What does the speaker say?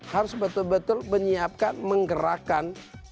harus betul betul menyiapkan menggerakkan